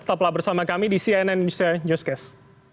tetaplah bersama kami di cnn indonesia newscast